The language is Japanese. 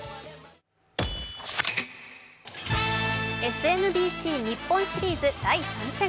ＳＭＢＣ日本シリーズ第３戦。